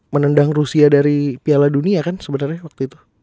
menendang rusia dari piala dunia kan sebenarnya waktu itu